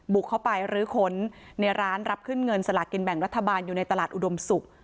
บุกเข้าไปรื้อค้นในร้านรับขึ้นเงินสลากินแบ่งรัฐบาลอยู่ในตลาดอุดมศุกร์